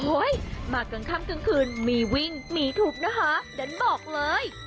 มากลางค่ำกลางคืนมีวิ่งหนีทุบนะคะดันบอกเลย